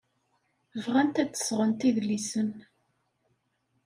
Bɣant ad d-sɣent idlisen.